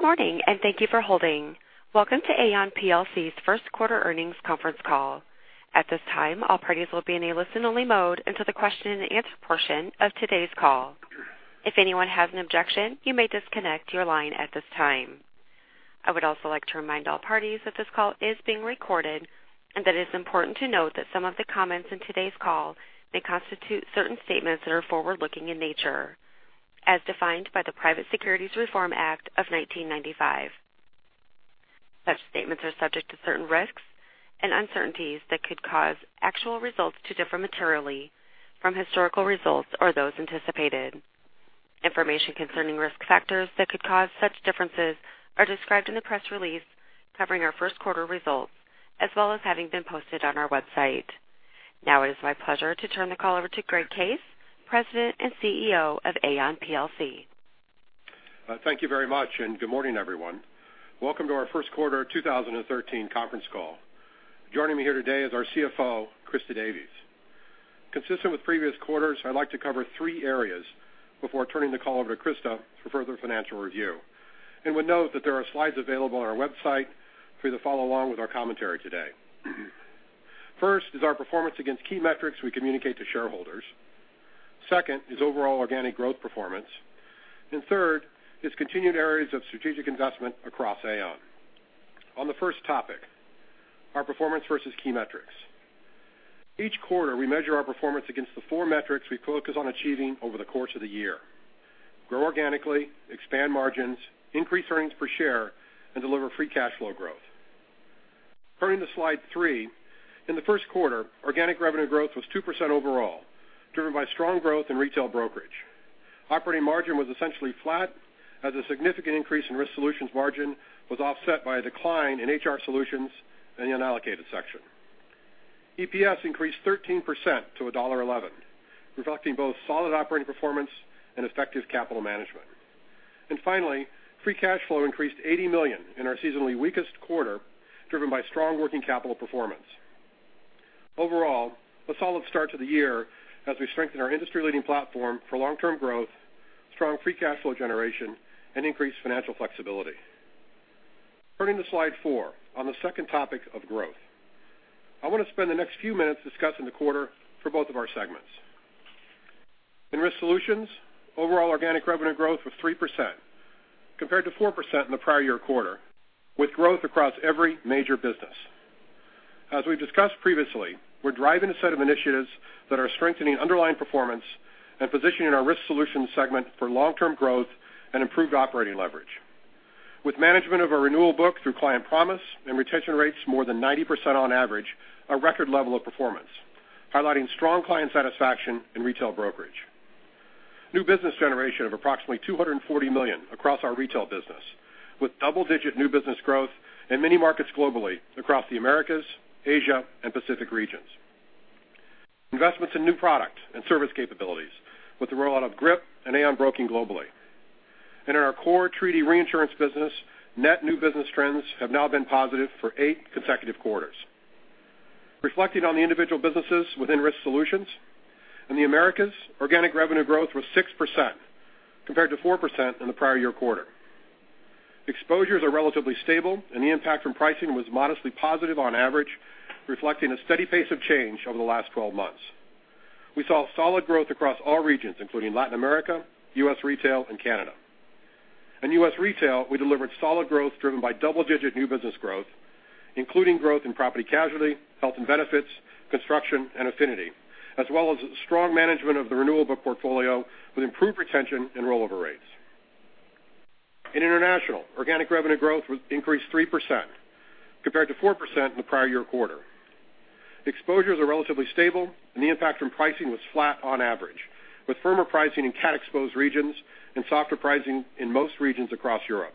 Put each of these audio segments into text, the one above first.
Good morning, and thank you for holding. Welcome to Aon plc's first quarter earnings conference call. At this time, all parties will be in a listen-only mode until the question and answer portion of today's call. If anyone has an objection, you may disconnect your line at this time. I would also like to remind all parties that this call is being recorded, and that it is important to note that some of the comments in today's call may constitute certain statements that are forward-looking in nature, as defined by the Private Securities Litigation Reform Act of 1995. Such statements are subject to certain risks and uncertainties that could cause actual results to differ materially from historical results or those anticipated. Information concerning risk factors that could cause such differences are described in the press release covering our first quarter results, as well as having been posted on our website. It is my pleasure to turn the call over to Greg Case, President and Chief Executive Officer of Aon plc. Thank you very much. Good morning, everyone. Welcome to our first quarter 2013 conference call. Joining me here today is our Chief Financial Officer, Christa Davies. Consistent with previous quarters, I'd like to cover three areas before turning the call over to Christa for further financial review, and would note that there are slides available on our website for you to follow along with our commentary today. First is our performance against key metrics we communicate to shareholders. Second is overall organic growth performance. Third is continued areas of strategic investment across Aon. On the first topic, our performance versus key metrics. Each quarter, we measure our performance against the four metrics we focus on achieving over the course of the year: grow organically, expand margins, increase earnings per share, and deliver free cash flow growth. Turning to slide three, in the first quarter, organic revenue growth was 2% overall, driven by strong growth in retail brokerage. Operating margin was essentially flat as a significant increase in Risk Solutions margin was offset by a decline in HR Solutions and the unallocated section. EPS increased 13% to $1.11, reflecting both solid operating performance and effective capital management. Finally, free cash flow increased $80 million in our seasonally weakest quarter, driven by strong working capital performance. Overall, a solid start to the year as we strengthen our industry-leading platform for long-term growth, strong free cash flow generation, and increased financial flexibility. Turning to slide four, on the second topic of growth. I want to spend the next few minutes discussing the quarter for both of our segments. In Risk Solutions, overall organic revenue growth was 3% compared to 4% in the prior year quarter, with growth across every major business. As we've discussed previously, we're driving a set of initiatives that are strengthening underlying performance and positioning our Risk Solutions segment for long-term growth and improved operating leverage. With management of our renewal book through Client Promise and retention rates more than 90% on average, a record level of performance, highlighting strong client satisfaction in retail brokerage. New business generation of approximately $240 million across our retail business with double-digit new business growth in many markets globally across the Americas, Asia, and Pacific regions. Investments in new product and service capabilities with the rollout of GRIP and Aon Broking globally. In our core treaty reinsurance business, net new business trends have now been positive for eight consecutive quarters. Reflecting on the individual businesses within Risk Solutions, in the Americas, organic revenue growth was 6% compared to 4% in the prior year quarter. Exposures are relatively stable, and the impact from pricing was modestly positive on average, reflecting a steady pace of change over the last 12 months. We saw solid growth across all regions, including Latin America, US Retail, and Canada. In US Retail, we delivered solid growth driven by double-digit new business growth, including growth in property casualty, health and benefits, construction, and affinity, as well as strong management of the renewable portfolio with improved retention and rollover rates. In international, organic revenue growth increased 3% compared to 4% in the prior year quarter. Exposures are relatively stable and the impact from pricing was flat on average, with firmer pricing in cat-exposed regions and softer pricing in most regions across Europe.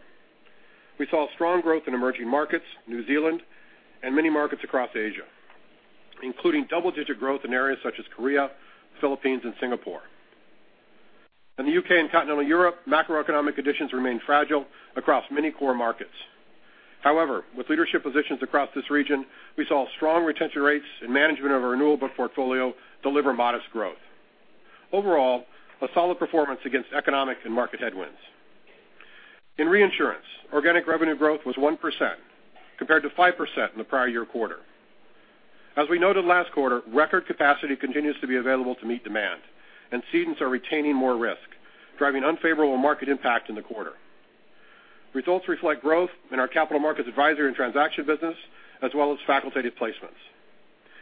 We saw strong growth in emerging markets, New Zealand, and many markets across Asia, including double-digit growth in areas such as Korea, Philippines, and Singapore. In the U.K. and continental Europe, macroeconomic conditions remain fragile across many core markets. With leadership positions across this region, we saw strong retention rates and management of our renewable portfolio deliver modest growth. Overall, a solid performance against economic and market headwinds. In reinsurance, organic revenue growth was 1% compared to 5% in the prior year quarter. As we noted last quarter, record capacity continues to be available to meet demand, and cedents are retaining more risk, driving unfavorable market impact in the quarter. Results reflect growth in our capital markets advisory and transaction business as well as facultative placements.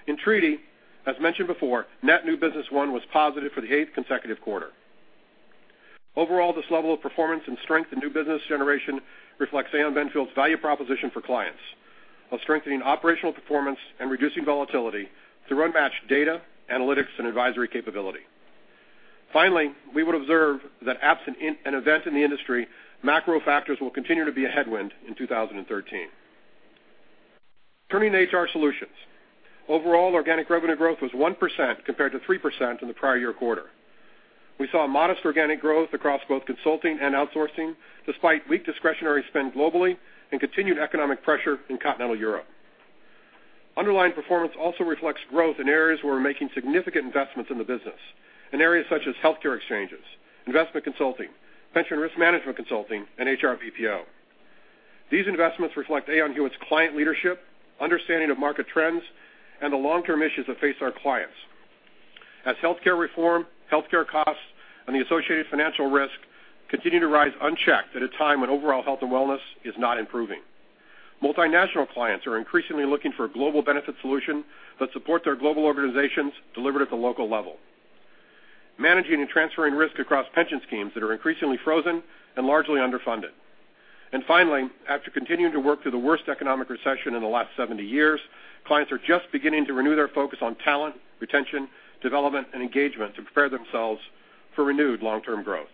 In treaty, as mentioned before, net new business won was positive for the eighth consecutive quarter. Overall, this level of performance and strength in new business generation reflects Aon Benfield's value proposition for clients while strengthening operational performance and reducing volatility through unmatched data, analytics, and advisory capability. We would observe that absent an event in the industry, macro factors will continue to be a headwind in 2013. Turning to HR Solutions. Overall organic revenue growth was 1% compared to 3% in the prior year quarter. We saw modest organic growth across both consulting and outsourcing, despite weak discretionary spend globally and continued economic pressure in continental Europe. Underlying performance also reflects growth in areas where we're making significant investments in the business, in areas such as healthcare exchanges, investment consulting, pension risk management consulting, and HR BPO. These investments reflect Aon Hewitt's client leadership, understanding of market trends, and the long-term issues that face our clients. As healthcare reform, healthcare costs, and the associated financial risk continue to rise unchecked at a time when overall health and wellness is not improving. Multinational clients are increasingly looking for a global benefit solution that supports their global organizations delivered at the local level, managing and transferring risk across pension schemes that are increasingly frozen and largely underfunded. Finally, after continuing to work through the worst economic recession in the last 70 years, clients are just beginning to renew their focus on talent, retention, development, and engagement to prepare themselves for renewed long-term growth.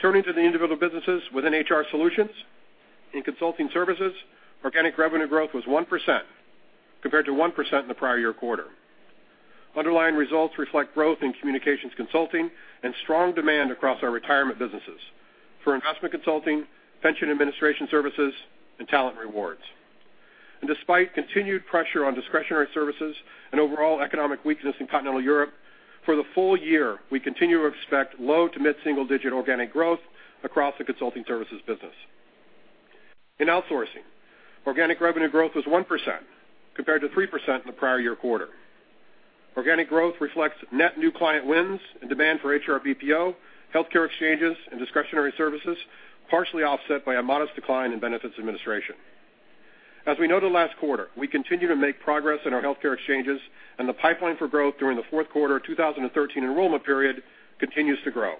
Turning to the individual businesses within HR Solutions, in consulting services, organic revenue growth was 1% compared to 1% in the prior year quarter. Underlying results reflect growth in communications consulting and strong demand across our retirement businesses for investment consulting, pension administration services, and talent rewards. Despite continued pressure on discretionary services and overall economic weakness in continental Europe, for the full year, we continue to expect low to mid-single digit organic growth across the consulting services business. In outsourcing, organic revenue growth was 1% compared to 3% in the prior year quarter. Organic growth reflects net new client wins and demand for HR BPO, healthcare exchanges, and discretionary services, partially offset by a modest decline in benefits administration. As we noted last quarter, we continue to make progress in our healthcare exchanges, and the pipeline for growth during the fourth quarter of 2013 enrollment period continues to grow.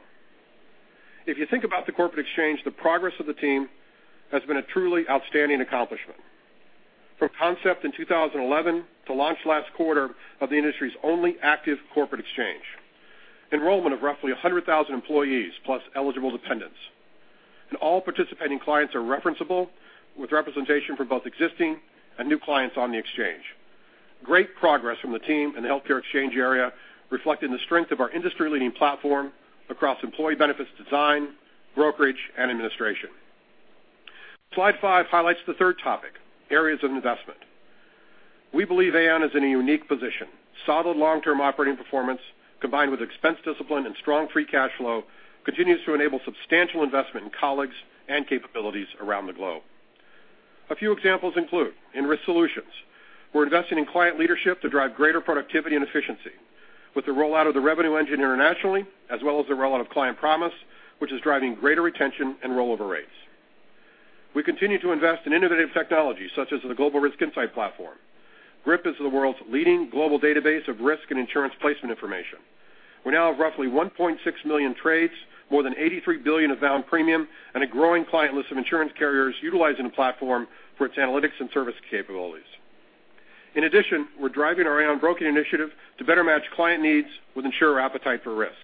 If you think about the corporate exchange, the progress of the team has been a truly outstanding accomplishment. From concept in 2011 to launch last quarter of the industry's only active corporate exchange, enrollment of roughly 100,000 employees plus eligible dependents, and all participating clients are referenceable with representation from both existing and new clients on the exchange. Great progress from the team in the healthcare exchange area, reflecting the strength of our industry-leading platform across employee benefits design, brokerage, and administration. Slide five highlights the third topic, areas of investment. We believe Aon is in a unique position. Solid long-term operating performance, combined with expense discipline and strong free cash flow, continues to enable substantial investment in colleagues and capabilities around the globe. A few examples include in Risk Solutions, we're investing in client leadership to drive greater productivity and efficiency with the rollout of the Revenue GPS internationally, as well as the rollout of Client Promise, which is driving greater retention and rollover rates. We continue to invest in innovative technology such as the Global Risk Insight Platform. GRIP is the world's leading global database of risk and insurance placement information. We now have roughly 1.6 million trades, more than $83 billion of bound premium, and a growing client list of insurance carriers utilizing the platform for its analytics and service capabilities. In addition, we're driving our Aon Broking initiative to better match client needs with insurer appetite for risk,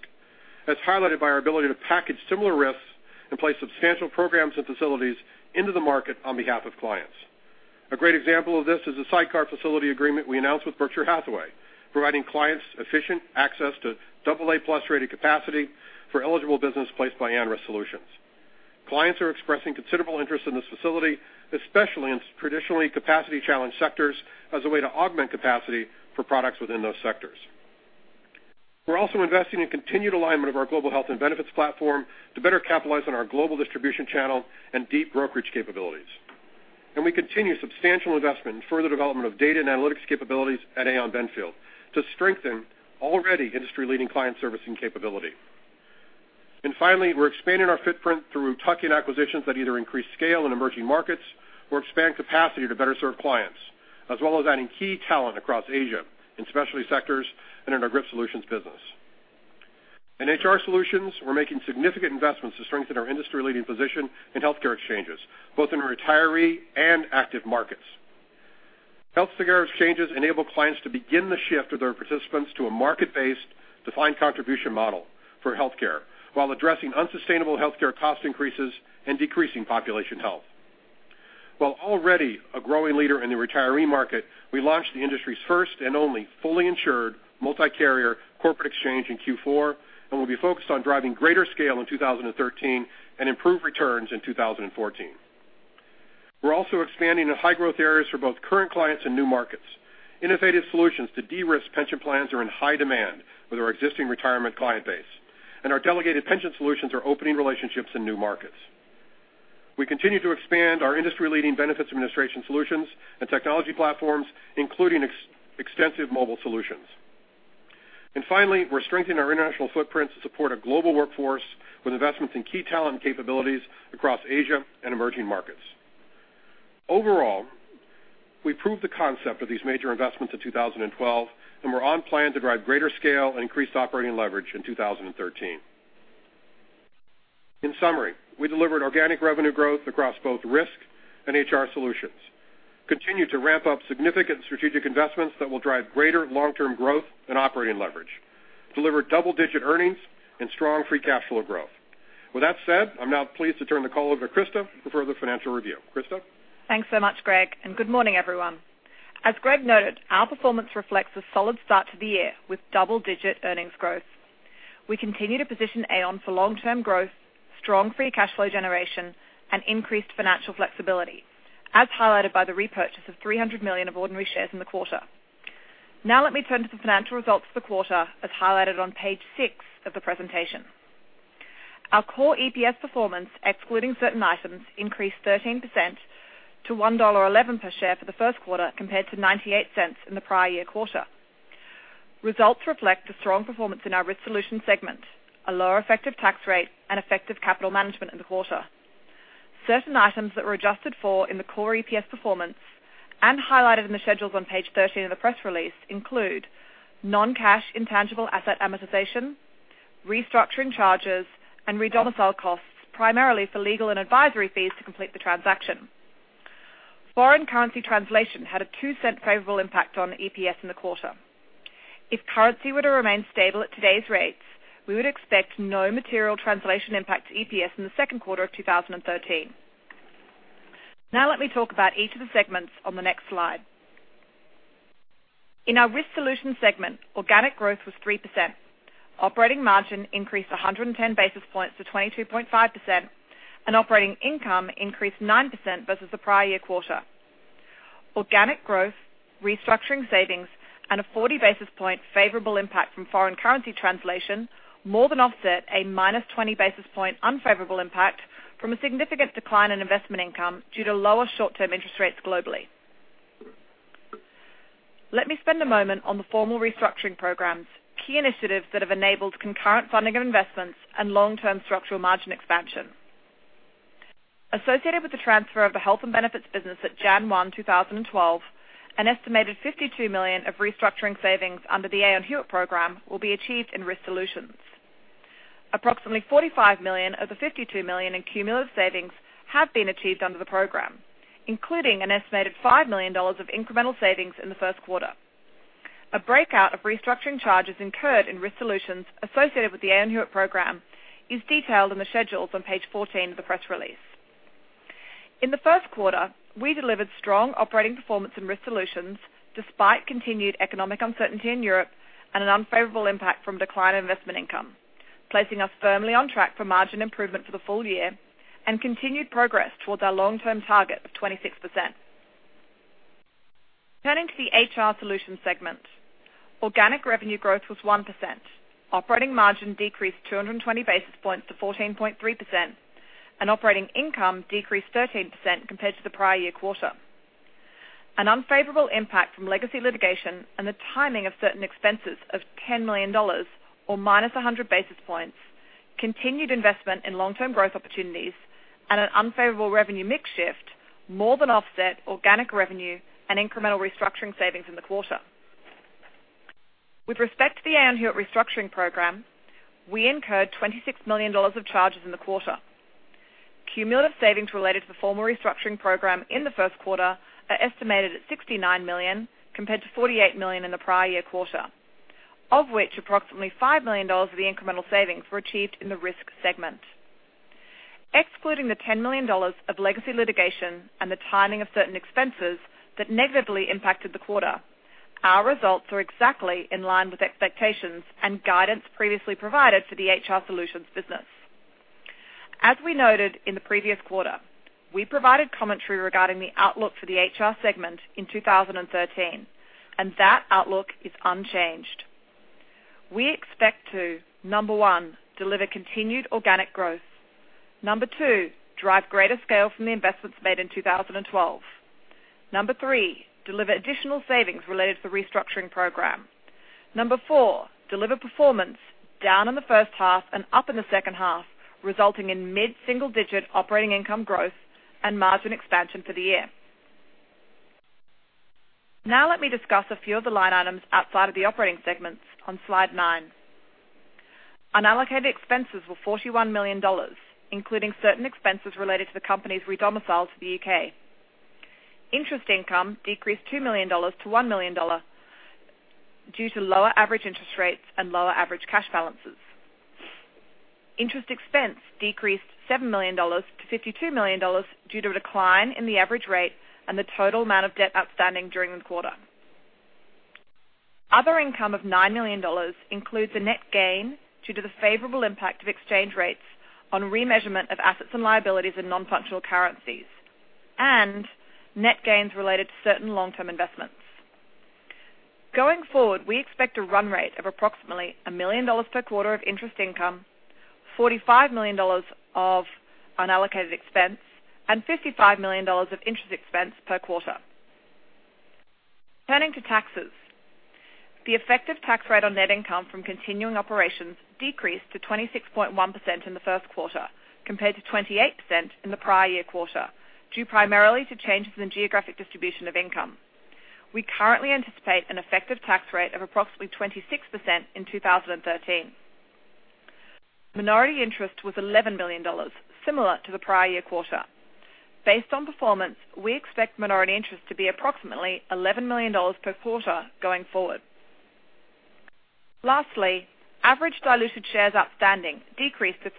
as highlighted by our ability to package similar risks and place substantial programs and facilities into the market on behalf of clients. A great example of this is the sidecar facility agreement we announced with Berkshire Hathaway, providing clients efficient access to double A plus rated capacity for eligible business placed by Aon Risk Solutions. Clients are expressing considerable interest in this facility, especially in traditionally capacity challenged sectors as a way to augment capacity for products within those sectors. We're also investing in continued alignment of our global health and benefits platform to better capitalize on our global distribution channel and deep brokerage capabilities. We continue substantial investment in further development of data and analytics capabilities at Aon Benfield to strengthen already industry-leading client servicing capability. Finally, we're expanding our footprint through tuck-in acquisitions that either increase scale in emerging markets or expand capacity to better serve clients, as well as adding key talent across Asia in specialty sectors and in our GRIP Solutions business. In HR Solutions, we're making significant investments to strengthen our industry-leading position in healthcare exchanges, both in retiree and active markets. Healthcare exchanges enable clients to begin the shift of their participants to a market-based defined contribution model for healthcare while addressing unsustainable healthcare cost increases and decreasing population health. While already a growing leader in the retiree market, we launched the industry's first and only fully insured multi-carrier corporate exchange in Q4, and we'll be focused on driving greater scale in 2013 and improve returns in 2014. We're also expanding in high growth areas for both current clients and new markets. Innovative solutions to de-risk pension plans are in high demand with our existing retirement client base, and our Delegated Pension Manager are opening relationships in new markets. We continue to expand our industry-leading benefits administration solutions and technology platforms, including extensive mobile solutions. Finally, we're strengthening our international footprint to support a global workforce with investments in key talent and capabilities across Asia and emerging markets. Overall, we proved the concept of these major investments in 2012, and we're on plan to drive greater scale and increased operating leverage in 2013. In summary, we delivered organic revenue growth across both Risk Solutions and HR Solutions, continued to ramp up significant strategic investments that will drive greater long-term growth and operating leverage, delivered double-digit earnings and strong free cash flow growth. With that said, I'm now pleased to turn the call over to Christa for further financial review. Christa? Thanks so much, Greg. Good morning, everyone. As Greg noted, our performance reflects a solid start to the year with double-digit earnings growth. We continue to position Aon for long-term growth, strong free cash flow generation, and increased financial flexibility, as highlighted by the repurchase of $300 million of ordinary shares in the quarter. Now let me turn to the financial results for the quarter, as highlighted on page six of the presentation. Our core EPS performance, excluding certain items, increased 13% to $1.11 per share for the first quarter, compared to $0.98 in the prior year quarter. Results reflect the strong performance in our Risk Solutions segment, a lower effective tax rate, and effective capital management in the quarter. Certain items that were adjusted for in the core EPS performance and highlighted in the schedules on page 13 of the press release include non-cash intangible asset amortization, restructuring charges, and redomicile costs, primarily for legal and advisory fees to complete the transaction. Foreign currency translation had a $0.02 favorable impact on EPS in the quarter. If currency were to remain stable at today's rates, we would expect no material translation impact to EPS in the second quarter of 2013. Let me talk about each of the segments on the next slide. In our Risk Solutions segment, organic growth was 3%. Operating margin increased 110 basis points to 22.5%, and operating income increased 9% versus the prior year quarter. Organic growth, restructuring savings, and a 40 basis point favorable impact from foreign currency translation more than offset a minus 20 basis point unfavorable impact from a significant decline in investment income due to lower short-term interest rates globally. Let me spend a moment on the formal restructuring programs, key initiatives that have enabled concurrent funding of investments and long-term structural margin expansion. Associated with the transfer of the health and benefits business at January 1, 2012, an estimated $52 million of restructuring savings under the Aon Hewitt program will be achieved in Risk Solutions. Approximately $45 million of the $52 million in cumulative savings have been achieved under the program, including an estimated $5 million of incremental savings in the first quarter. A breakout of restructuring charges incurred in Risk Solutions associated with the Aon Hewitt program is detailed in the schedules on page 14 of the press release. In the first quarter, we delivered strong operating performance in Risk Solutions despite continued economic uncertainty in Europe and an unfavorable impact from declined investment income, placing us firmly on track for margin improvement for the full year and continued progress towards our long-term target of 26%. Turning to the HR Solutions segment. Organic revenue growth was 1%. Operating margin decreased 220 basis points to 14.3%, and operating income decreased 13% compared to the prior year quarter. An unfavorable impact from legacy litigation and the timing of certain expenses of $10 million, or minus 100 basis points, continued investment in long-term growth opportunities, and an unfavorable revenue mix shift more than offset organic revenue and incremental restructuring savings in the quarter. With respect to the Aon Hewitt restructuring program, we incurred $26 million of charges in the quarter. Cumulative savings related to the formal restructuring program in the first quarter are estimated at $69 million, compared to $48 million in the prior year quarter, of which approximately $5 million of the incremental savings were achieved in the Risk segment. Excluding the $10 million of legacy litigation and the timing of certain expenses that negatively impacted the quarter, our results are exactly in line with expectations and guidance previously provided for the HR Solutions business. As we noted in the previous quarter, we provided commentary regarding the outlook for the HR segment in 2013, and that outlook is unchanged. We expect to, number one, deliver continued organic growth. Number two, drive greater scale from the investments made in 2012. Number three, deliver additional savings related to the restructuring program. Number four, deliver performance down in the first half and up in the second half, resulting in mid-single-digit operating income growth and margin expansion for the year. Now let me discuss a few of the line items outside of the operating segments on slide nine. Unallocated expenses were $41 million, including certain expenses related to the company's redomicile to the U.K. Interest income decreased $2 million to $1 million due to lower average interest rates and lower average cash balances. Interest expense decreased $7 million to $52 million due to a decline in the average rate and the total amount of debt outstanding during the quarter. Other income of $9 million includes a net gain due to the favorable impact of exchange rates on remeasurement of assets and liabilities in non-functional currencies and net gains related to certain long-term investments. Going forward, we expect a run rate of approximately $1 million per quarter of interest income, $45 million of unallocated expense, and $55 million of interest expense per quarter. Turning to taxes. The effective tax rate on net income from continuing operations decreased to 26.1% in the first quarter, compared to 28% in the prior year quarter, due primarily to changes in geographic distribution of income. We currently anticipate an effective tax rate of approximately 26% in 2013. Minority interest was $11 million, similar to the prior year quarter. Based on performance, we expect minority interest to be approximately $11 million per quarter going forward. Lastly, average diluted shares outstanding decreased to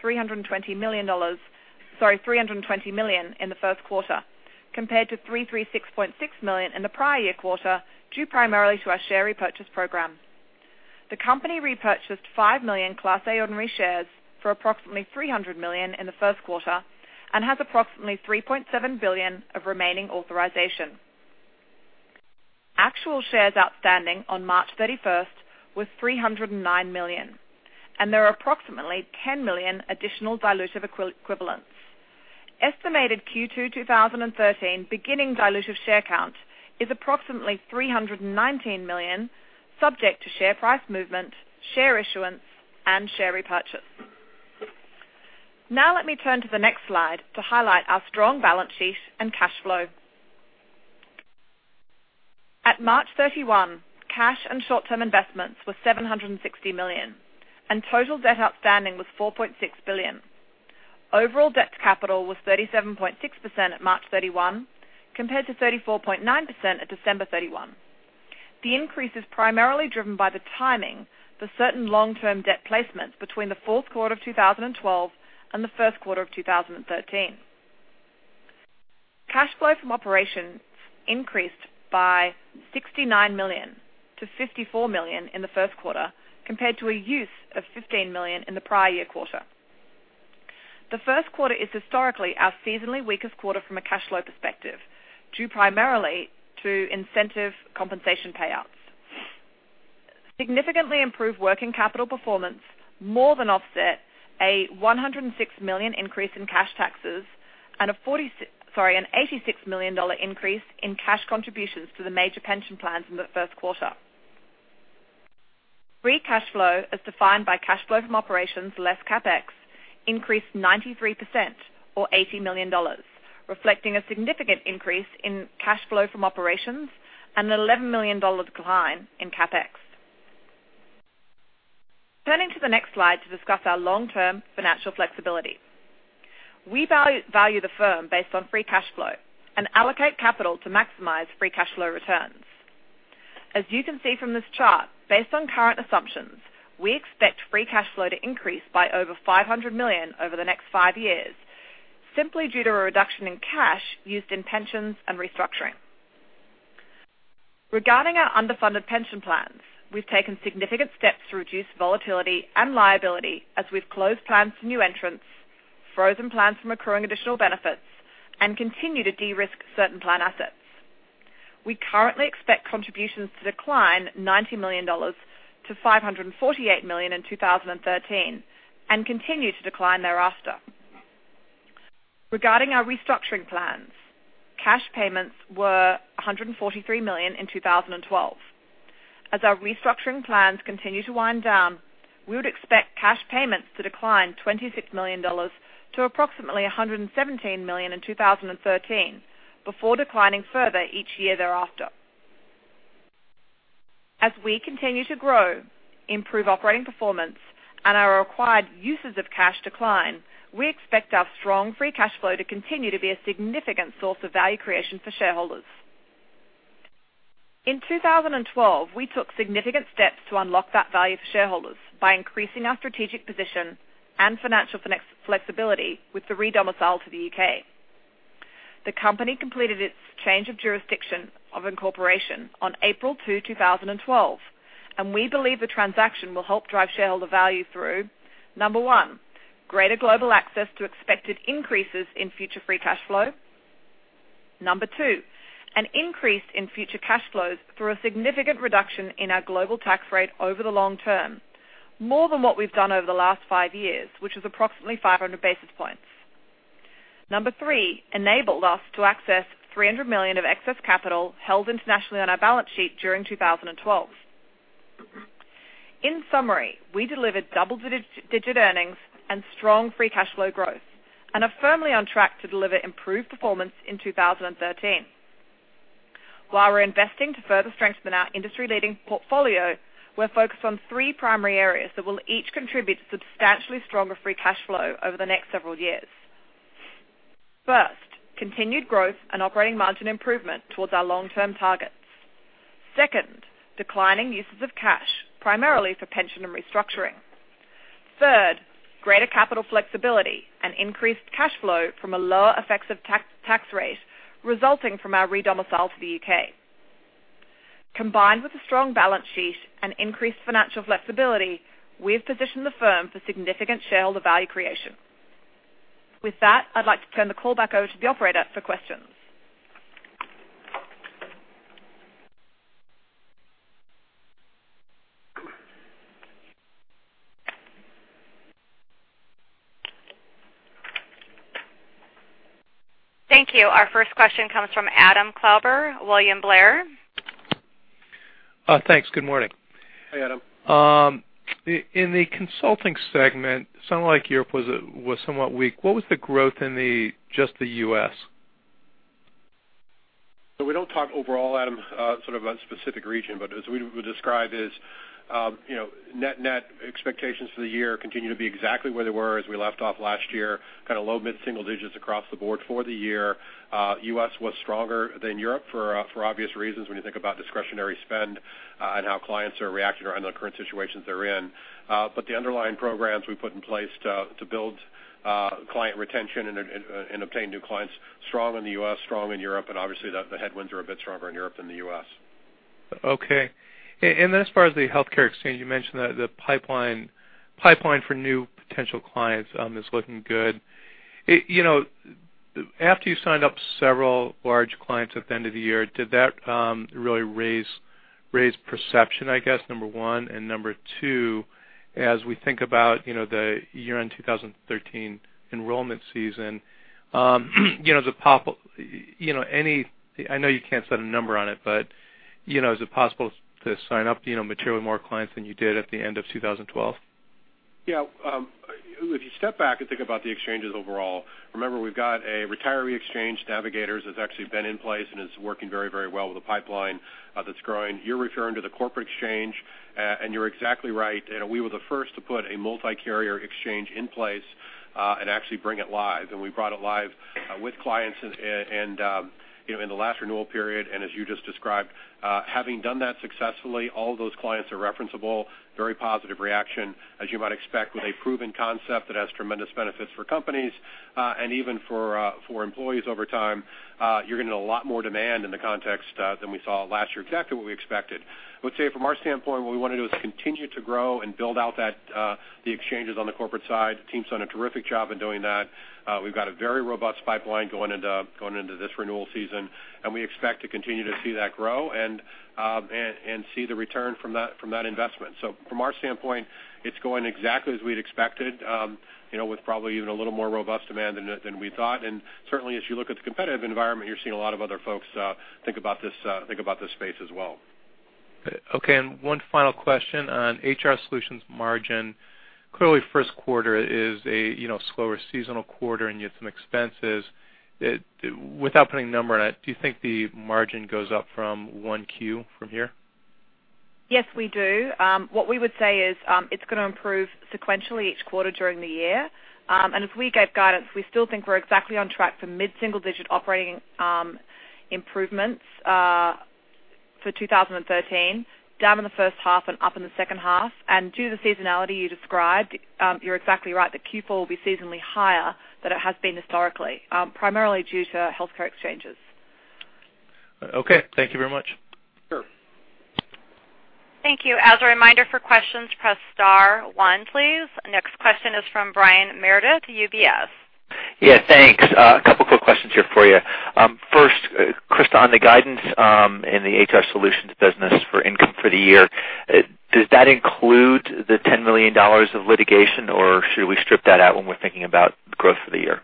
Sorry, $320 million in the first quarter compared to $336.6 million in the prior year quarter, due primarily to our share repurchase program. The company repurchased 5 million Class A ordinary shares for approximately $300 million in the first quarter and has approximately 3.7 billion of remaining authorization. Actual shares outstanding on March 31st was 309 million, and there are approximately 10 million additional dilutive equivalents. Estimated Q2 2013 beginning dilutive share count is approximately 319 million, subject to share price movement, share issuance, and share repurchase. Now let me turn to the next slide to highlight our strong balance sheet and cash flow. At March 31, cash and short-term investments were $760 million, and total debt outstanding was $4.6 billion. Overall debt to capital was 37.6% at March 31, compared to 34.9% at December 31. The increase is primarily driven by the timing for certain long-term debt placements between the fourth quarter of 2012 and the first quarter of 2013. Cash flow from operations increased by $69 million to $54 million in the first quarter, compared to a use of $15 million in the prior year quarter. The first quarter is historically our seasonally weakest quarter from a cash flow perspective, due primarily to incentive compensation payouts. Significantly improved working capital performance more than offset a $106 million increase in cash taxes and Sorry, an $86 million increase in cash contributions to the major pension plans in the first quarter. Free cash flow, as defined by cash flow from operations less CapEx, increased 93% or $80 million, reflecting a significant increase in cash flow from operations and an $11 million decline in CapEx. Turning to the next slide to discuss our long-term financial flexibility. We value the firm based on free cash flow and allocate capital to maximize free cash flow returns. As you can see from this chart, based on current assumptions, we expect free cash flow to increase by over $500 million over the next five years, simply due to a reduction in cash used in pensions and restructuring. Regarding our underfunded pension plans, we've taken significant steps to reduce volatility and liability as we've closed plans to new entrants, frozen plans from accruing additional benefits, and continue to de-risk certain plan assets. We currently expect contributions to decline $90 million to $548 million in 2013 and continue to decline thereafter. Regarding our restructuring plans, cash payments were $143 million in 2012. As our restructuring plans continue to wind down, we would expect cash payments to decline $26 million to approximately $117 million in 2013, before declining further each year thereafter. As we continue to grow, improve operating performance, and our required uses of cash decline, we expect our strong free cash flow to continue to be a significant source of value creation for shareholders. In 2012, we took significant steps to unlock that value for shareholders by increasing our strategic position and financial flexibility with the re-domicile to the U.K. The company completed its change of jurisdiction of incorporation on April 2, 2012, and we believe the transaction will help drive shareholder value through, number one, greater global access to expected increases in future free cash flow. Number two, an increase in future cash flows through a significant reduction in our global tax rate over the long term, more than what we've done over the last five years, which is approximately 500 basis points. Number three enabled us to access $300 million of excess capital held internationally on our balance sheet during 2012. In summary, we delivered double-digit earnings and strong free cash flow growth and are firmly on track to deliver improved performance in 2013. While we're investing to further strengthen our industry-leading portfolio, we're focused on three primary areas that will each contribute to substantially stronger free cash flow over the next several years. First, continued growth and operating margin improvement towards our long-term targets. Second, declining uses of cash, primarily for pension and restructuring. Third, greater capital flexibility and increased cash flow from a lower effective tax rate resulting from our re-domicile to the U.K. Combined with a strong balance sheet and increased financial flexibility, we've positioned the firm for significant shareholder value creation. With that, I'd like to turn the call back over to the operator for questions. Thank you. Our first question comes from Adam Klauber, William Blair. Thanks. Good morning. Hi, Adam. In the consulting segment, it sounded like Europe was somewhat weak. What was the growth in just the U.S.? We don't talk overall, Adam, sort of a specific region. Net net expectations for the year continue to be exactly where they were as we left off last year, kind of low mid-single digits across the board for the year. U.S. was stronger than Europe for obvious reasons when you think about discretionary spend and how clients are reacting around the current situations they're in. The underlying programs we put in place to build client retention and obtain new clients, strong in the U.S., strong in Europe, and obviously the headwinds are a bit stronger in Europe than the U.S. As far as the healthcare exchange, you mentioned that the pipeline for new potential clients is looking good. After you signed up several large clients at the end of the year, did that really raise perception, I guess, number one? Number two, as we think about the year-end 2013 enrollment season, I know you can't set a number on it, but is it possible to sign up materially more clients than you did at the end of 2012? If you step back and think about the exchanges overall, remember, we've got a retiree exchange Navigators that's actually been in place and is working very well with a pipeline that's growing. You're referring to the corporate exchange, and you're exactly right. We were the first to put a multi-carrier exchange in place and actually bring it live. We brought it live with clients in the last renewal period, and as you just described, having done that successfully, all of those clients are referenceable. Very positive reaction, as you might expect with a proven concept that has tremendous benefits for companies, and even for employees over time. You're getting a lot more demand in the context than we saw last year. Exactly what we expected. I would say from our standpoint, what we want to do is continue to grow and build out the exchanges on the corporate side. The team's done a terrific job in doing that. We've got a very robust pipeline going into this renewal season, and we expect to continue to see that grow and see the return from that investment. From our standpoint, it's going exactly as we'd expected with probably even a little more robust demand than we thought. Certainly, as you look at the competitive environment, you're seeing a lot of other folks think about this space as well. Okay, one final question on HR Solutions margin. Clearly, first quarter is a slower seasonal quarter, and you had some expenses. Without putting a number on it, do you think the margin goes up from one Q from here? Yes, we do. What we would say is it's going to improve sequentially each quarter during the year. As we gave guidance, we still think we're exactly on track for mid-single digit operating improvements for 2013, down in the first half and up in the second half. Due to the seasonality you described, you're exactly right, the Q4 will be seasonally higher than it has been historically, primarily due to healthcare exchanges. Okay. Thank you very much. Sure. Thank you. As a reminder, for questions, press *1 please. Next question is from Brian Meredith, UBS. Yeah, thanks. A couple quick questions here for you. First, Chris, on the guidance in the HR Solutions business for income for the year, does that include the $10 million of litigation, or should we strip that out when we're thinking about growth for the year?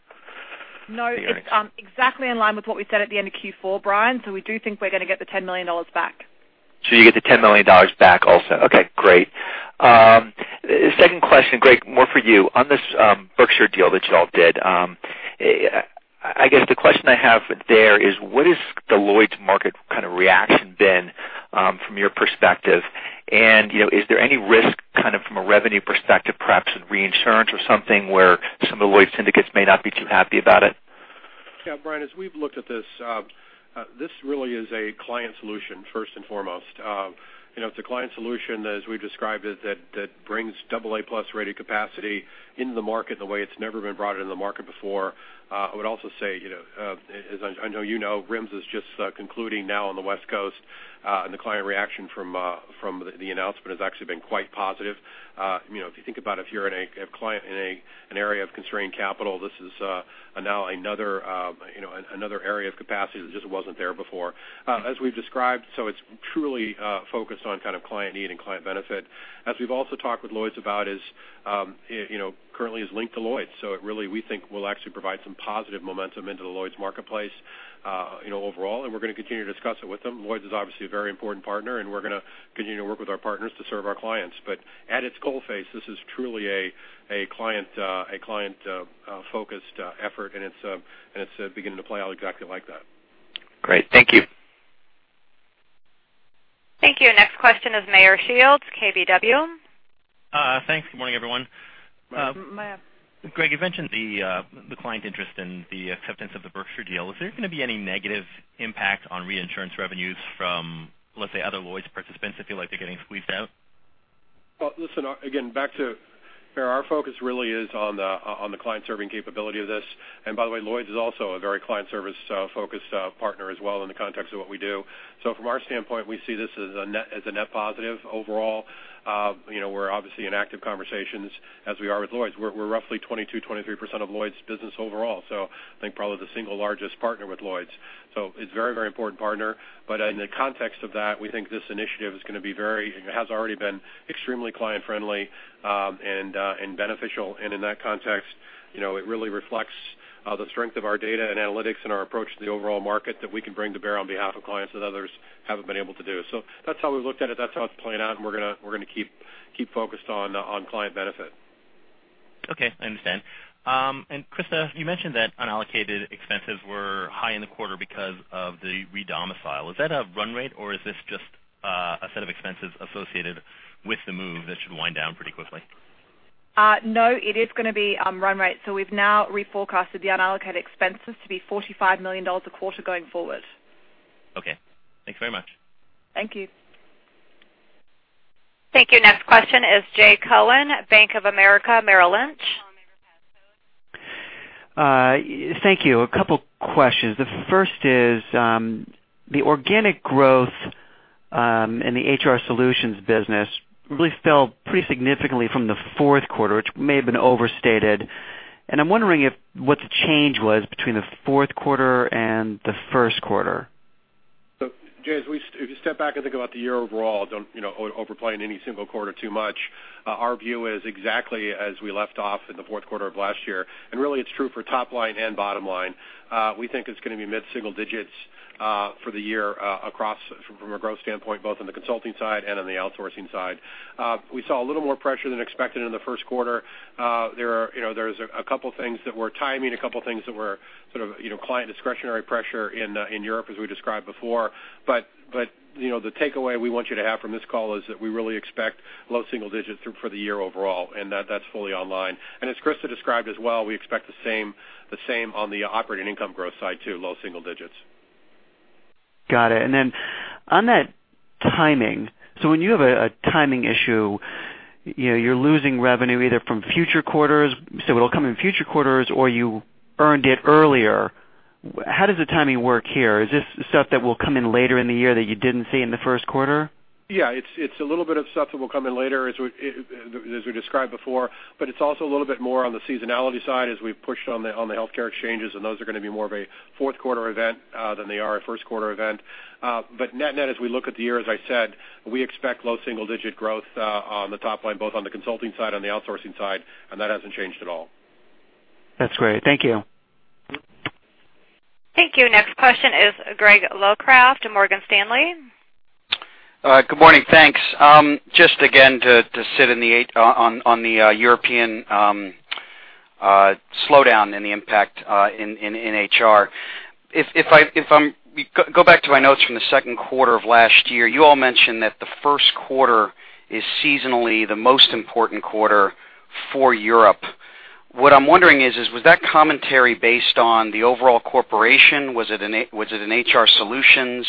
No, it's exactly in line with what we said at the end of Q4, Brian. We do think we're going to get the $10 million back. You get the $10 million back also. Okay, great. Second question, Greg, more for you. On this Berkshire deal that you all did, I guess the question I have there is what has the Lloyd's market kind of reaction been from your perspective? Is there any risk from a revenue perspective, perhaps in reinsurance or something where some of the Lloyd's syndicates may not be too happy about it? Yeah, Brian, as we've looked at this really is a client solution first and foremost. It's a client solution, as we've described it, that brings double A plus rated capacity into the market the way it's never been brought into the market before. I would also say, as I know you know, RIMS is just concluding now on the West Coast, the client reaction from the announcement has actually been quite positive. If you think about if you're a client in an area of constrained capital, this is now another area of capacity that just wasn't there before. As we've described, it's truly focused on kind of client need and client benefit. As we've also talked with Lloyd's about is, currently is linked to Lloyd's. It really, we think, will actually provide some positive momentum into the Lloyd's marketplace overall, and we're going to continue to discuss it with them. Lloyd's is obviously a very important partner, and we're going to continue to work with our partners to serve our clients. At its coal face, this is truly a client-focused effort, and it's beginning to play out exactly like that. Great. Thank you. Thank you. Next question is Meyer Shields, KBW. Thanks. Good morning, everyone. Meyer. Greg, you mentioned the client interest and the acceptance of the Berkshire deal. Is there going to be any negative impact on reinsurance revenues from, let's say, other Lloyd's participants that feel like they're getting squeezed out? Well, listen, again, back to Meyer, our focus really is on the client-serving capability of this. By the way, Lloyd's is also a very client service focused partner as well in the context of what we do. From our standpoint, we see this as a net positive overall. We're obviously in active conversations as we are with Lloyd's. We're roughly 22%, 23% of Lloyd's business overall, I think probably the single largest partner with Lloyd's. It's a very important partner. In the context of that, we think this initiative has already been extremely client friendly and beneficial. In that context, it really reflects the strength of our data and analytics and our approach to the overall market that we can bring to bear on behalf of clients that others haven't been able to do. That's how we've looked at it. That's how it's playing out, and we're going to keep focused on client benefit. Okay, I understand. Christa, you mentioned that unallocated expenses were high in the quarter because of the redomicile. Is that a run rate or is this just a set of expenses associated with the move that should wind down pretty quickly? No, it is going to be run rate. We've now reforecasted the unallocated expenses to be $45 million a quarter going forward. Okay. Thanks very much. Thank you. Thank you. Next question is Jay Cohen, Bank of America, Merrill Lynch. Thank you. A couple questions. The first is, the organic growth in the HR Solutions business really fell pretty significantly from the fourth quarter, which may have been overstated. I'm wondering what the change was between the fourth quarter and the first quarter. Jay, as we step back and think about the year overall, don't overplay any single quarter too much. Our view is exactly as we left off in the fourth quarter of last year, really it's true for top line and bottom line. We think it's going to be mid-single digits for the year, from a growth standpoint, both on the consulting side and on the outsourcing side. We saw a little more pressure than expected in the first quarter. There's a couple things that were timing, a couple things that were client discretionary pressure in Europe, as we described before. The takeaway we want you to have from this call is that we really expect low single digits for the year overall, that's fully online. As Christa described as well, we expect the same on the operating income growth side, too, low single digits. Got it. On that timing, when you have a timing issue, you're losing revenue either from future quarters, it'll come in future quarters or you earned it earlier. How does the timing work here? Is this stuff that will come in later in the year that you didn't see in the first quarter? Yeah, it's a little bit of stuff that will come in later, as we described before, it's also a little bit more on the seasonality side as we've pushed on the healthcare exchanges, those are going to be more of a fourth quarter event than they are a first quarter event. Net-net, as we look at the year, as I said, we expect low single-digit growth on the top line, both on the consulting side and the outsourcing side, that hasn't changed at all. That's great. Thank you. Thank you. Next question is Greg Locraft, Morgan Stanley. Good morning. Thanks. Just again to sit on the European slowdown and the impact in HR. Go back to my notes from the second quarter of last year, you all mentioned that the first quarter is seasonally the most important quarter for Europe. What I'm wondering is, was that commentary based on the overall corporation? Was it an HR Solutions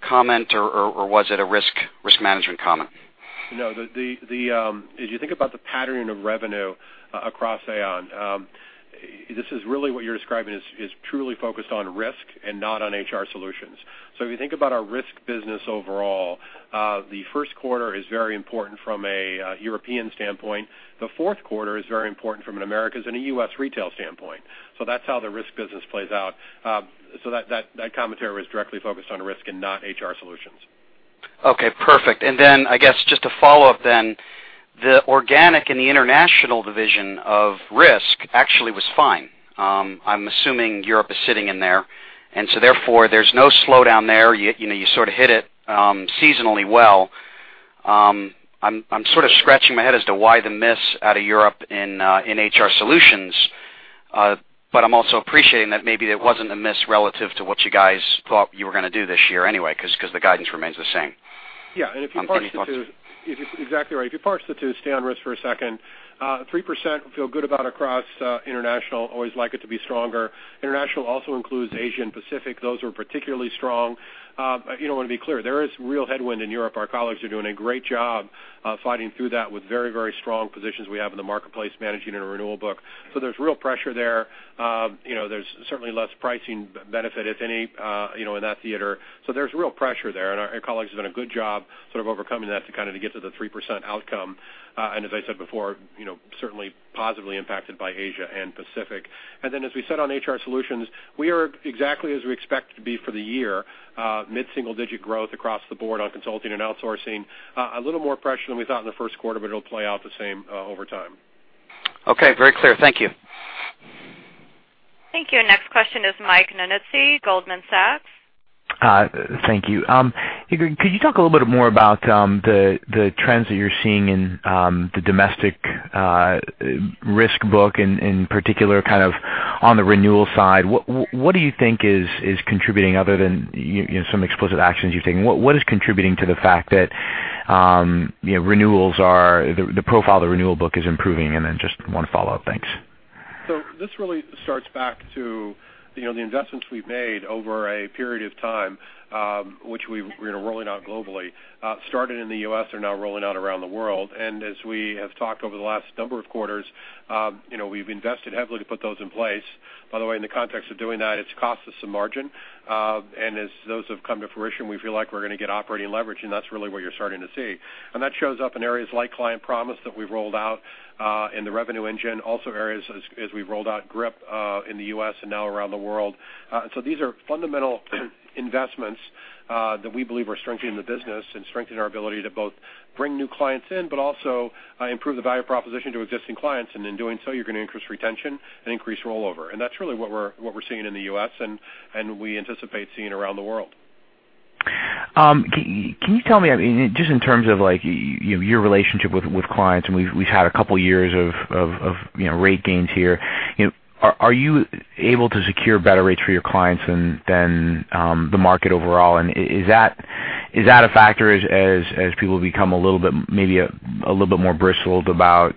comment, or was it a risk management comment? No. As you think about the pattern of revenue across Aon, this is really what you're describing is truly focused on risk and not on HR Solutions. If you think about our risk business overall, the first quarter is very important from a European standpoint. The fourth quarter is very important from an Americas and a US Retail standpoint. That's how the risk business plays out. That commentary was directly focused on risk and not HR Solutions. Okay, perfect. I guess just a follow-up then, the organic and the international division of risk actually was fine. I'm assuming Europe is sitting in there, so therefore, there's no slowdown there. You sort of hit it seasonally well. I'm sort of scratching my head as to why the miss out of Europe in HR Solutions, I'm also appreciating that maybe it wasn't a miss relative to what you guys thought you were going to do this year anyway, because the guidance remains the same. Yeah. Exactly right. If you parse the two, stay on risk for a second. 3% feel good about across international, always like it to be stronger. International also includes Asia and Pacific. Those were particularly strong. I want to be clear, there is real headwind in Europe. Our colleagues are doing a great job fighting through that with very strong positions we have in the marketplace managing and a renewal book. There's real pressure there. There's certainly less pricing benefit, if any, in that theater. There's real pressure there, and our colleagues have done a good job sort of overcoming that to get to the 3% outcome. As I said before, certainly positively impacted by Asia and Pacific. As we said on HR Solutions, we are exactly as we expect to be for the year, mid-single digit growth across the board on consulting and outsourcing. A little more pressure than we thought in the first quarter, it'll play out the same over time. Okay. Very clear. Thank you. Thank you. Our next question is Michael Nannizzi, Goldman Sachs. Thank you. Could you talk a little bit more about the trends that you're seeing in the domestic risk book, in particular on the renewal side? What do you think is contributing, other than some explicit actions you're taking? What is contributing to the fact that the profile of the renewal book is improving? Then just one follow-up. Thanks. This really starts back to the investments we've made over a period of time, which we're rolling out globally. Started in the U.S., are now rolling out around the world. As we have talked over the last number of quarters, we've invested heavily to put those in place. By the way, in the context of doing that, it's cost us some margin. As those have come to fruition, we feel like we're going to get operating leverage, and that's really what you're starting to see. That shows up in areas like Client Promise that we've rolled out in the Revenue GPS, also areas as we've rolled out GRIP in the U.S. and now around the world. These are fundamental investments that we believe are strengthening the business and strengthening our ability to both bring new clients in, but also improve the value proposition to existing clients. In doing so, you're going to increase retention and increase rollover. That's really what we're seeing in the U.S., and we anticipate seeing around the world. Can you tell me, just in terms of your relationship with clients, We've had a couple of years of rate gains here. Are you able to secure better rates for your clients than the market overall? Is that a factor as people become maybe a little bit more bristled about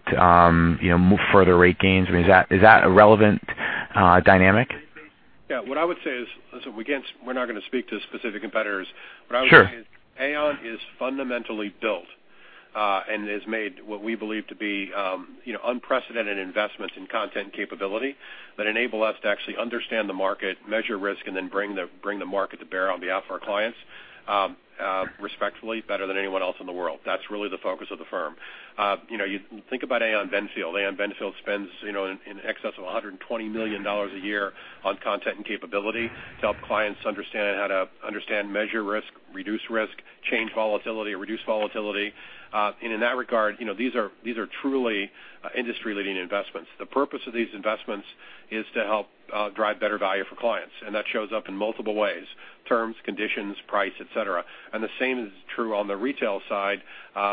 further rate gains? Is that a relevant dynamic? Yeah. What I would say is, listen, we're not going to speak to specific competitors. Sure. What I would say is Aon is fundamentally built Has made what we believe to be unprecedented investments in content capability that enable us to actually understand the market, measure risk, Then bring the market to bear on behalf of our clients respectfully better than anyone else in the world. That's really the focus of the firm. Think about Aon Benfield. Aon Benfield spends in excess of $120 million a year on content and capability to help clients understand how to understand measure risk, reduce risk, change volatility, or reduce volatility. In that regard, these are truly industry-leading investments. The purpose of these investments is to help drive better value for clients, That shows up in multiple ways, terms, conditions, price, et cetera. The same is true on the retail side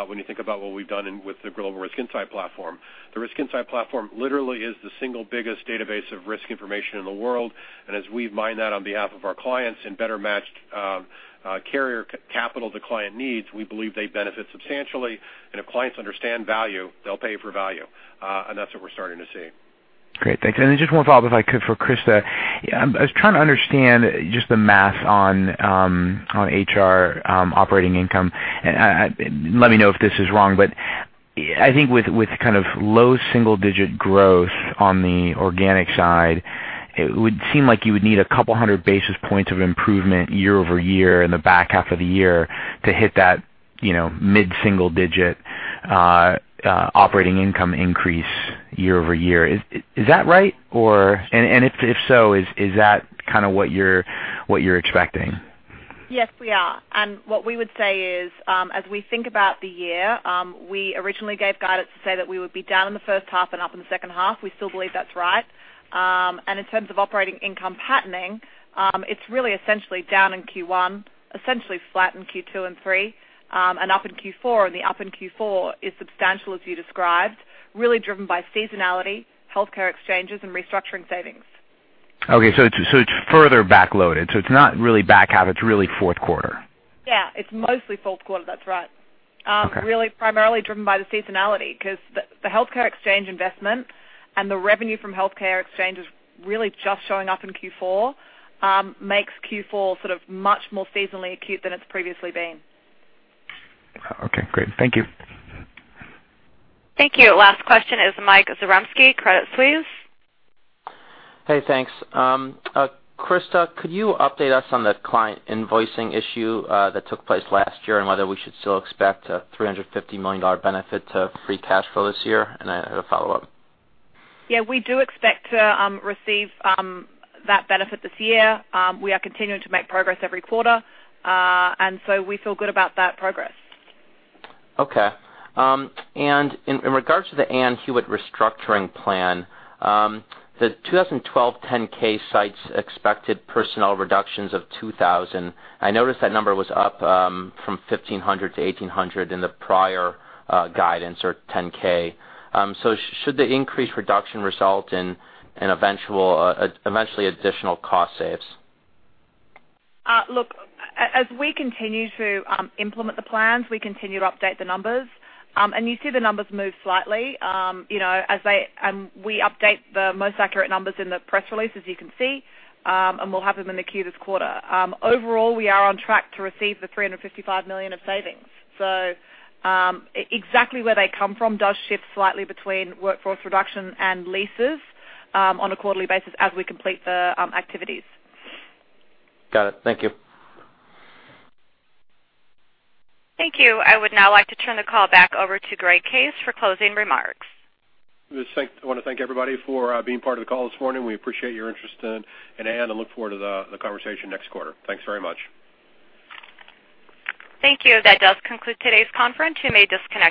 when you think about what we've done with the Global Risk Insight platform. The Risk Insight Platform literally is the single biggest database of risk information in the world, As we mine that on behalf of our clients in better matched carrier capital to client needs, we believe they benefit substantially, If clients understand value, they'll pay for value. That's what we're starting to see. Great. Thanks. Then just one follow-up, if I could, for Christa. I was trying to understand just the math on HR operating income. Let me know if this is wrong, but I think with kind of low single-digit growth on the organic side, it would seem like you would need a couple of 100 basis points of improvement year-over-year in the back half of the year to hit that mid-single-digit operating income increase year-over-year. Is that right? If so, is that kind of what you're expecting? Yes, we are. What we would say is as we think about the year, we originally gave guidance to say that we would be down in the first half and up in the second half. We still believe that's right. In terms of operating income patterning, it's really essentially down in Q1, essentially flat in Q2 and 3, and up in Q4. The up in Q4 is substantial, as you described, really driven by seasonality, healthcare exchanges, and restructuring savings. Okay, it's further back-loaded. It's not really back half, it's really fourth quarter. Yeah. It's mostly fourth quarter. That's right. Okay. Really primarily driven by the seasonality because the healthcare exchange investment and the revenue from healthcare exchanges really just showing up in Q4 makes Q4 sort of much more seasonally acute than it's previously been. Okay, great. Thank you. Thank you. Last question is Michael Zaremski, Credit Suisse. Hey, thanks. Christa, could you update us on the client invoicing issue that took place last year and whether we should still expect a $350 million benefit to free cash flow this year? I have a follow-up. Yeah, we do expect to receive that benefit this year. We are continuing to make progress every quarter. We feel good about that progress. Okay. In regards to the Aon Hewitt restructuring plan, the 2012 10-K cites expected personnel reductions of 2,000. I noticed that number was up from 1,500 to 1,800 in the prior guidance or 10-K. Should the increased reduction result in eventually additional cost saves? Look, as we continue to implement the plans, we continue to update the numbers. You see the numbers move slightly. We update the most accurate numbers in the press release, as you can see, and we'll have them in the queue this quarter. Overall, we are on track to receive the $355 million of savings. Exactly where they come from does shift slightly between workforce reduction and leases on a quarterly basis as we complete the activities. Got it. Thank you. Thank you. I would now like to turn the call back over to Greg Case for closing remarks. I want to thank everybody for being part of the call this morning. We appreciate your interest in Aon and look forward to the conversation next quarter. Thanks very much. Thank you. That does conclude today's conference. You may disconnect.